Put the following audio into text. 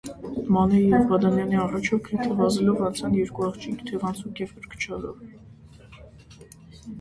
Մանեի և Բադամյանի առաջով գրեթե վազելով անցան երկու աղջիկ թևանցուկ և կրկչալով: